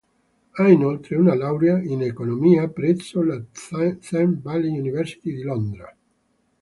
Ha inoltre una laurea in Economia presso la Thames Valley University di Londra.